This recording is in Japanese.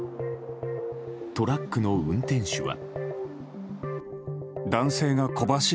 トラックの運転手は。